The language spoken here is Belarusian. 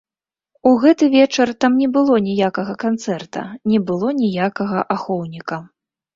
У гэты вечар там не было ніякага канцэрта, не было ніякага ахоўніка.